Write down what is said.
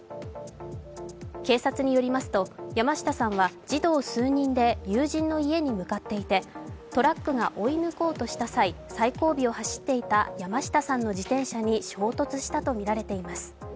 警察によりますと、山下さんは児童数人で友人の家に向かっていてトラックが追い抜こうとした際、最後尾を走っていた山下さんの自転車に衝突したとみられています。